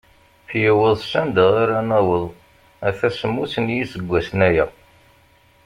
Yewweḍ s anda ara naweḍ ata semmus n yiseggasen aya.